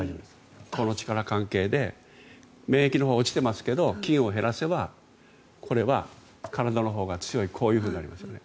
この力関係で免疫のほうが落ちてますけど菌を減らせばこれは体のほうが強いこういうふうになりますよね。